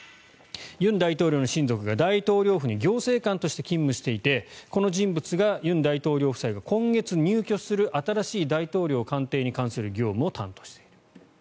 尹大統領の親族が大統領府に行政官として勤務していてこの人物が尹大統領夫妻が今月入居する新しい大統領官邸に関する業務を担当している。